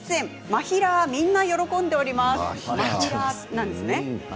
まひらーがみんな喜んでおります。